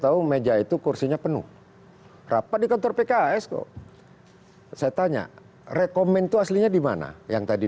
tahu meja itu kursinya penuh rapat di kantor pks kok saya tanya rekomendasinya dimana yang tadi